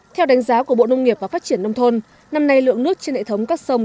theo đánh giá của bộ nông nghiệp và phát triển nông thôn năm nay lượng nước trên hệ thống các sông